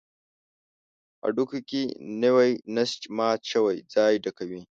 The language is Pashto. د هډوکي نوی نسج مات شوی ځای ډکوي.